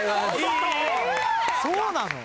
そうなの？